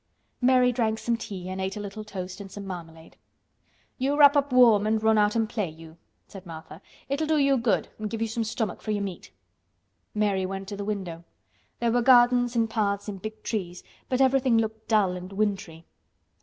Mary drank some tea and ate a little toast and some marmalade. "You wrap up warm an' run out an' play you," said Martha. "It'll do you good and give you some stomach for your meat." Mary went to the window. There were gardens and paths and big trees, but everything looked dull and wintry.